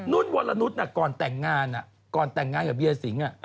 นุ่นวรรณุชย์ก่อนแต่งงานกับเยี่ยสิงห์